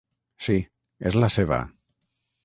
Sí, és la seva.